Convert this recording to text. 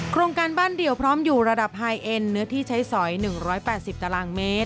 โครงการบ้านเดี่ยวพร้อมอยู่ระดับไฮเอ็นเนื้อที่ใช้สอย๑๘๐ตารางเมตร